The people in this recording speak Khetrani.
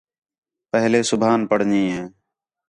پہلے سُبحان پڑھݨی ہے